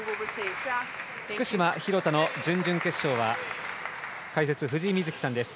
福島、廣田の準々決勝は解説、藤井瑞希さんです。